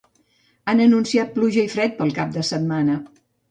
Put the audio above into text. Han anunciat pluja i fred pel cap de setmana.